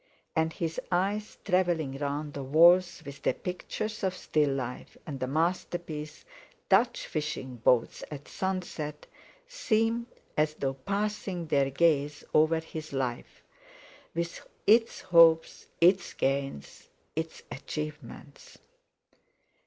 And his eyes travelling round the walls with their pictures of still life, and the masterpiece "Dutch fishing boats at Sunset" seemed as though passing their gaze over his life with its hopes, its gains, its achievements.